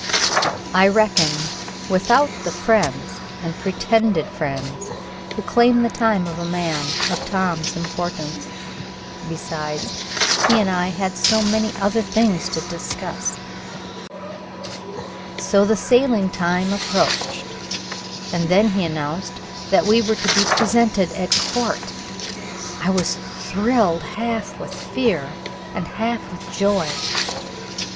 I reckoned without the friends and pretended friends who claim the time of a man of Tom's importance. Besides, he and I had so many other things to discuss. So the sailing time approached, and then he announced that we were to be presented at court! I was thrilled half with fear and half with joy.